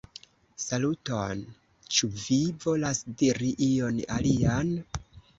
Saluton! Ĉu vi volas diri ion alian?